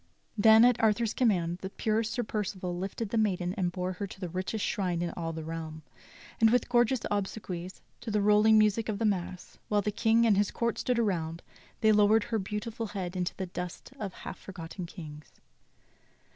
Then, at Arthur's command, the pure Sir Percival lifted the maiden and bore her to the richest shrine in all the realm, and with gorgeous obsequies, to the rolling music of the mass, while the King and his court stood around, they lowered her beautiful head into the dust of half forgotten kings.